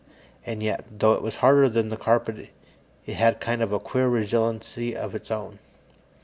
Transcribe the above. And yet, though it was harder than the carpet it had a kind of queer resiliency of its own.